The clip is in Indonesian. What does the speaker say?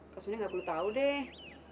kak suni gak perlu tau deh